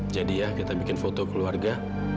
jadi ya kita bikin foto keluarga